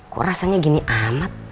kok rasanya gini amat